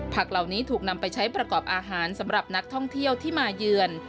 ผักเหล่านี้ถูกนำไปใช้ประกอบอาหารสำหรับนักท่องเที่ยวที่มาเยือน